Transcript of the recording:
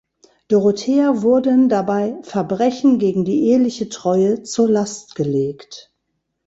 Dorothea wurden dabei „Verbrechen gegen die eheliche Treue“ zur Last gelegt.